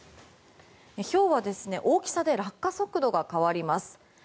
ひょうは大きさで落下速度が変わります。